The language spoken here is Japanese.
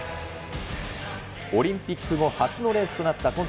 オリンピック後初のレースとなった